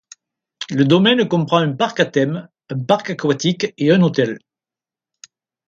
Le domaine comprend un parc à thème, un parc aquatique et un hôtel.